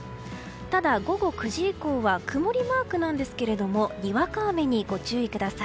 ただ、午後９時以降は曇りマークですがにわか雨にご注意ください。